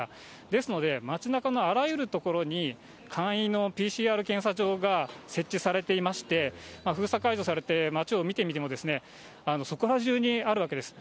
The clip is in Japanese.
ですので、街なかのあらゆる所に簡易のＰＣＲ検査場が設置されていまして、封鎖解除されて街を見てみても、そこらじゅうにあるわけです。